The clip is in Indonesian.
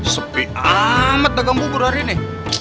sepi banget dagang bubur hari ini